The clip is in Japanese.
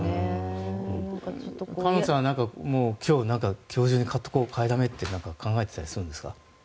菅野さんは今日中に買っておこうというものとか考えてたりするんですか？